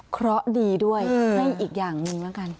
เพราะดีด้วยในอีกอย่างหนึ่งแล้วกัน